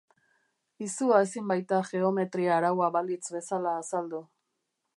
Izua ezin baita geometria araua balitz bezala azaldu.